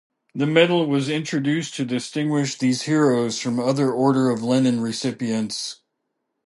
The medal was introduced to distinguish these heroes from other Order of Lenin recipients.